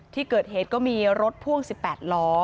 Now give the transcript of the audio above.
ที่เกิดเหตุก็มีรถพ่วง๑๘ล้อ